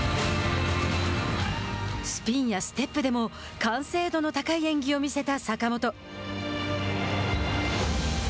スピンやステップでも完成度の高い演技を見せた坂本。